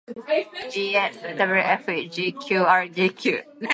ewfegqrgq